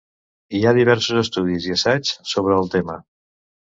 Hi ha diversos estudis i assaigs sobre el tema.